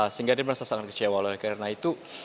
sehingga dia merasa sangat kecewa oleh karena itu